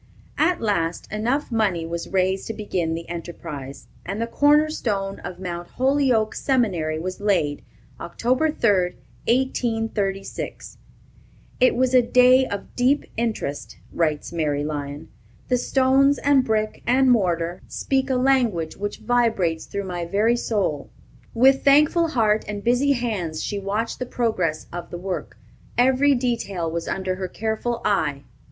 At last, enough money was raised to begin the enterprise, and the corner stone of Mount Holyoke Seminary was laid, Oct. 3, 1836. "It was a day of deep interest," writes Mary Lyon. "The stones and brick and mortar speak a language which vibrates through my very soul." "With thankful heart and busy hands she watched the progress of the work. Every detail was under her careful eye.